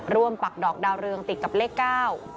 ปักดอกดาวเรืองติดกับเลขเก้า